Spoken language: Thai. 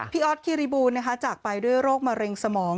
พี่ออสคิริบูรณ์นะคะจากไปด้วยโรคมะเร็งสมอง